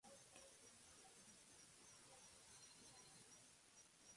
Se graduó en la Universidad de Virginia Occidental con un título en Mercadotecnia.